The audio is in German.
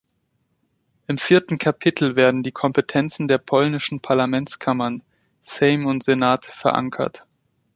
Im vierten Kapitel werden die Kompetenzen der polnischen Parlamentskammern, Sejm und Senat, verankert.